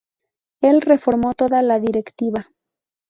Él reformó toda la directiva.